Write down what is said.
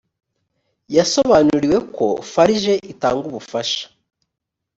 yasobanuriwe ko farg itanga ubufasha